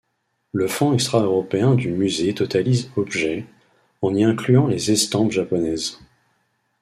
Le fonds extra-européen du musée totalise objets, en y incluant les estampes japonaises.